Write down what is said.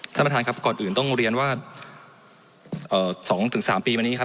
ท่านประธานครับก่อนอื่นต้องเรียนว่า๒๓ปีมานี้ครับ